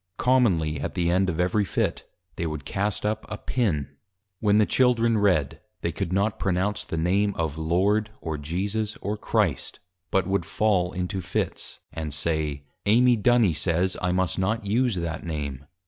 Commonly at the end of every Fit, they would cast up a Pin. When the Children Read, they could not pronounce the Name of, Lord, or Jesus, or Christ, but would fall into Fits; and say, Amy Duny says, _I must not use that Name.